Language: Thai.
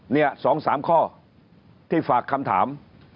นี่๒๓ข้อที่ฝากคำถาม